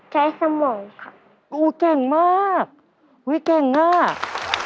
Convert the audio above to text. ใช้สมองครับอุ้ยเก่งมากอุ้ยเก่งมาก